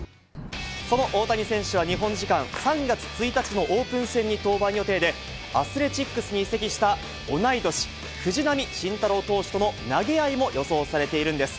その大谷選手は、日本時間３月１日のオープン戦に登板予定で、アスレチックスに移籍したおない年、藤浪晋太郎投手との投げ合いも予想されているんです。